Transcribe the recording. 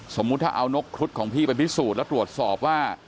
สมมุติถ้าเอานกครุฑของพี่ไปพิสูจน์แล้วตรวจสอบว่า